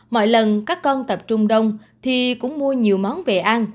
mọi lần các con tập trung đông thì cũng mua nhiều món về ăn